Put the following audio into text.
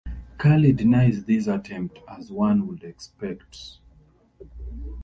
Curly denies this attempt, as one would expect.